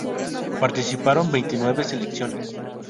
Participaron veintinueve selecciones.